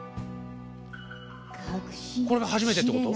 これが初めてってこと？